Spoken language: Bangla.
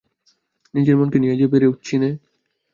নিজের মনকে নিয়ে যে পেরে উঠছি নে।